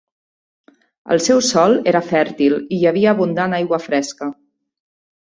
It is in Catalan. El seu sòl era fèrtil i hi havia abundant aigua fresca.